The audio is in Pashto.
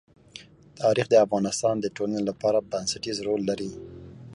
تاریخ د افغانستان د ټولنې لپاره بنسټيز رول لري.